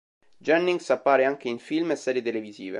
Jennings apparve anche in film e serie televisive.